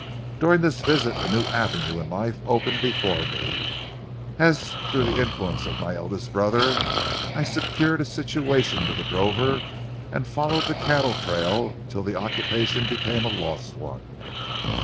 During this visit a new avenue in life opened before me, and through the influence of my eldest brother I secured a situation with a drover and followed the cattle trail until the occupation became a lost one.